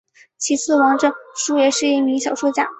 其子王震绪也是一名小说家。